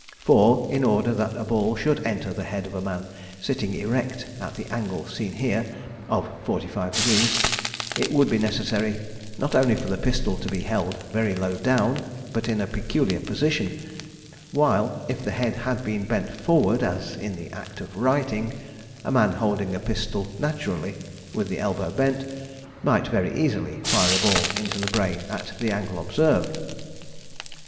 For, in order that a ball should enter the head of a man sitting erect at the angle seen here, of 45 degrees, it would be necessary, not only for the pistol to be held very low down, but in a peculiar position; while if the head had been bent forward, as in the act of writing, a man holding a pistol naturally with the elbow bent, might very easily fire a ball into the brain at the angle observed.